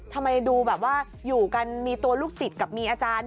ทำไมดูแบบว่าอยู่กันมีตัวลูกศิษย์กับมีอาจารย์